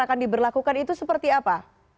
akan diberlakukan itu seperti apa